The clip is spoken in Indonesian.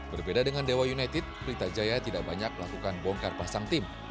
berbeda dengan dewa united pelita jaya tidak banyak melakukan bongkar pasang tim